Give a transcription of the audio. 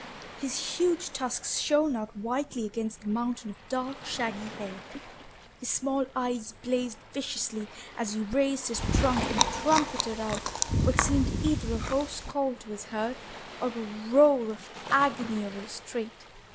His huge tusks shone out whitely against the mountain of dark shaggy hair. His small eyes blazed viciously as he raised his trunk and trumpeted out what seemed either a hoarse call to his herd or a roar of agony over his strait.